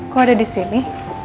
kok ada disini